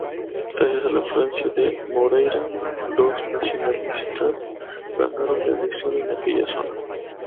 Gracias a la influencia de Moreira, los nacionalistas ganaron la elección en aquella zona.